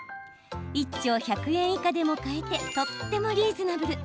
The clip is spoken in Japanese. １丁１００円以下でも買えてとってもリーズナブル。